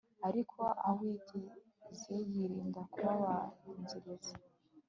Ariko ah uwigeze yirinda kubanziriza